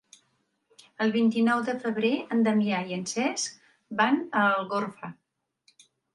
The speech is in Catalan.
El vint-i-nou de febrer en Damià i en Cesc van a Algorfa.